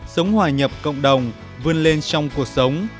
sống hòa nhập cộng đồng vươn lên trong cuộc sống